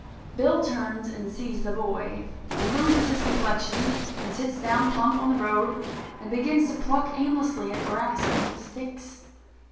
Bill turns and sees the boy, and loses his complexion and sits down plump on the round and begins to pluck aimlessly at grass and little sticks.